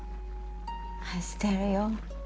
愛してるよ。